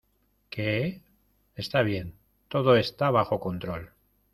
¿ Qué? Está bien. todo está bajo control .